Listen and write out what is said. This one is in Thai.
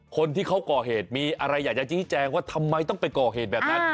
คนที่เขาก่อเหตุมีอะไรอยากจะชี้แจงว่าทำไมต้องไปก่อเหตุแบบนั้น